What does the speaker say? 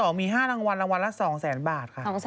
รางวัลที่๒มี๕รางวัลรางวัลละ๒๐๐๐๐๐บาทค่ะ